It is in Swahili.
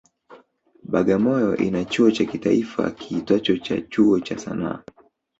Bagamoyo ina chuo cha kitaifa kiitwacho cha Chuo cha sanaa